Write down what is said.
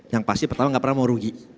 yang pasti pertama nggak pernah mau rugi